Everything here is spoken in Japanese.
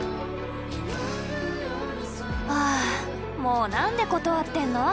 ああもう何で断ってんの？